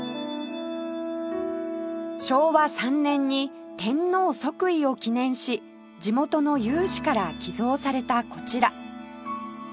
昭和３年に天皇即位を記念し地元の有志から寄贈されたこちら